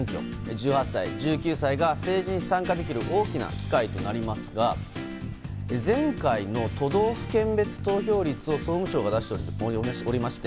１８歳、１９歳が政治に参加できる大きな機会となりますが前回の都道府県別投票率を総務省が出しておりまして